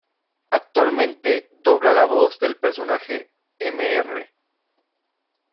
Actualmente dobla la voz del personaje Mr.